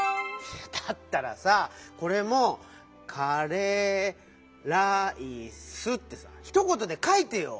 だったらさこれも「カレーライス」ってさひとことでかいてよ！